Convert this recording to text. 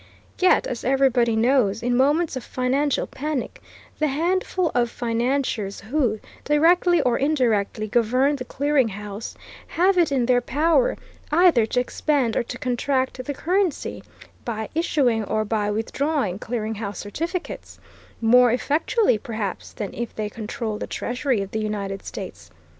Yet, as everybody knows, in moments of financial panic, the handful of financiers who, directly or indirectly, govern the Clearing House, have it in their power either to expand or to contract the currency, by issuing or by withdrawing Clearing House certificates, more effectually perhaps than if they controlled the Treasury of the United States.